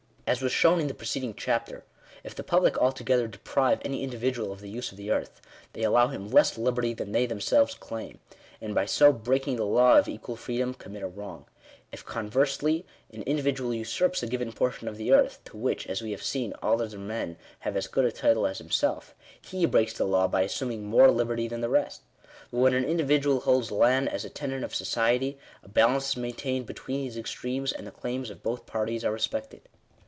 As was shown in the preceding chapter, if the public altogether deprive any individual of the use of the earth, they allow him less liberty than they themselves claim ; and by so breaking the law of equal freedom, commit a wrong. If, conversely, an individual usurps a given portion of the earth, to E Digitized by VjOOQIC 130 THE RIGHT OF PROPERTY. which, as we have seen, all other men have as good a title as himself, he breaks the law by assuming more liberty than the rest. Bat when an individual holds land as a tenant of society, a balanoe is maintained between these extremes, and the claims of both parties are respected.